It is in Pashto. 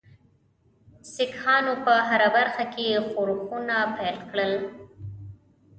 سیکهانو په هره برخه کې ښورښونه پیل کړل.